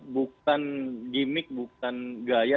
bukan gimmick bukan gaya